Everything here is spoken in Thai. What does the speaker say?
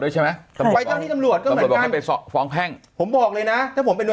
ไปจ้างที่ตำรวจตอบให้ฟ้องแพร่งผมบอกเลยนะถ้าผมเป็นด่วน